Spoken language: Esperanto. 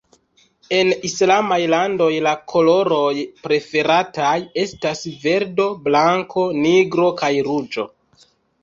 En Islamaj landoj la koloroj preferataj estas verdo, blanko, nigro kaj ruĝo.